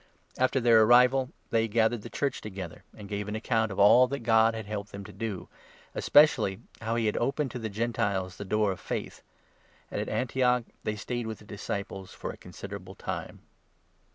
After their 27 Antioch. arr; vai( they gathered the Church together, and gave an account of all that God had helped them to do, and especially how he had opened to the Gentiles the door of faith ; and at Antioch they stayed with the disciples for a 28 considerable time.